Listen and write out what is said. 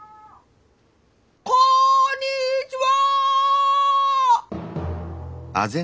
・こんにちは！